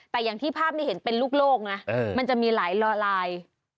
แต่อย่างที่ภาพนี้เห็นเป็นลูกนะมันจะมีหลายละลาย